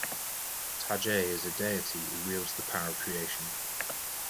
Tajai is a deity who wields the power of Creation.